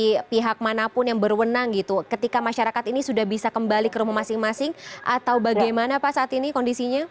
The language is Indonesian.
dari pihak manapun yang berwenang gitu ketika masyarakat ini sudah bisa kembali ke rumah masing masing atau bagaimana pak saat ini kondisinya